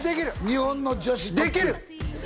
日本の女子トップできる！